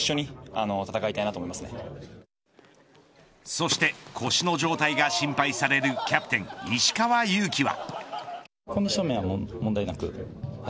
そして腰の状態が心配されるキャプテン石川祐希は。